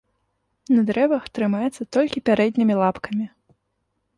На дрэвах трымаецца толькі пярэднімі лапкамі.